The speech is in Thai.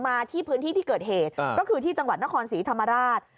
มาที่พื้นที่ที่เกิดเหตุก็คือที่จังหวัดนครศรีธรรมราช